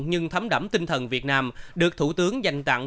nhưng thấm đẫm tinh thần việt nam được thủ tướng dành tặng